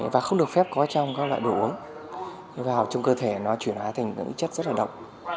và không được phép có trong các loại đồ uống vào trong cơ thể nó chuyển hóa thành những chất rất là độc